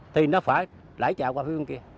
thì nó phải lãi chạy qua phía bên kia